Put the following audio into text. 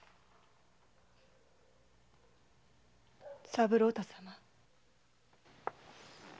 三郎太様。